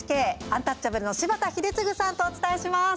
アンタッチャブルの柴田英嗣さんとお伝えします。